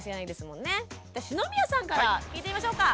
篠宮さんから聞いてみましょうか。